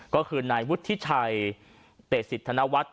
ก็คือนายวุฒิชัยเตศิษฐนวัตร